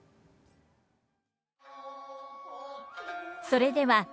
それでは「